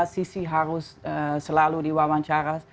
sisi harus selalu diwawancara